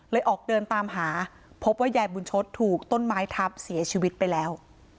ออกเดินตามหาพบว่ายายบุญชศถูกต้นไม้ทับเสียชีวิตไปแล้ว